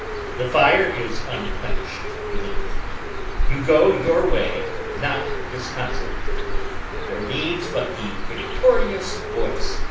The fire is unquenched beneath. You go your way not disconsolate. There needs but the Victorious Voice.